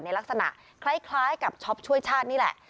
ลักษณะคล้ายกับช็อปช่วยชาตินี่แหละ